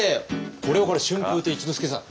これはこれは春風亭一之輔さん。